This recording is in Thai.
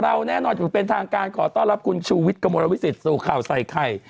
เราแน่นอนจะเป็นทางการขอต้อนรับคุณชูวิทย์กะโมลวิสิทธิ์สู่ข่าวใส่ไข่